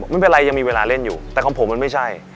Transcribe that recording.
ไม่เป็นไรยังมีเวลาเล่นอยู่แต่ของผมมันไม่ใช่